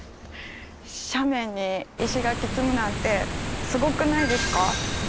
斜面に石垣積むなんてすごくないですか？